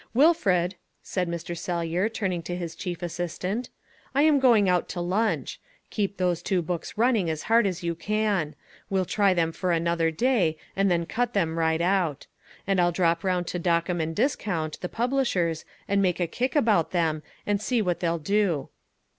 "Wilfred," said Mr. Sellyer, turning to his chief assistant, "I am going out to lunch. Keep those two books running as hard as you can. We'll try them for another day and then cut them right out. And I'll drop round to Dockem & Discount, the publishers, and make a kick about them, and see what they'll do."